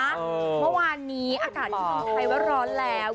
เมื่อวานนี้อากาศที่ที่ประท้าว่าร้อนแล้ว